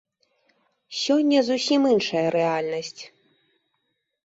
Сёння зусім іншая рэальнасць.